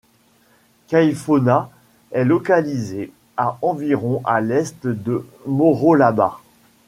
Kaïfona est localisée à environ à l'est de Morolaba.